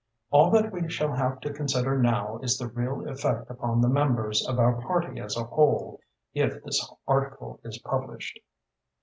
All that we shall have to consider now is the real effect upon the members of our party as a whole, if this article is published."